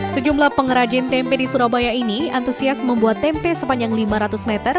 sejumlah pengrajin tempe di surabaya ini antusias membuat tempe sepanjang lima ratus meter